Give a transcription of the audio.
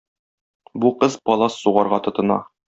Бу кыз палас сугарга тотына.